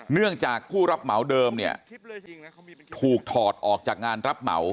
เนื่องจากผู้รับเหมาเดิมเนี่ยถูกถอดออกจากงานรับเหมา